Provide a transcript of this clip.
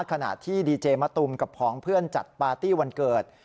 ขณะที่ดีเจมะตูมกับผองเพื่อนจัดปาร์ตี้วันเกิด